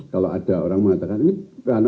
kalau ada orang mengatakan ini bukan